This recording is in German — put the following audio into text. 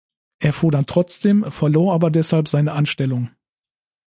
Er fuhr dann trotzdem, verlor aber deshalb seine Anstellung.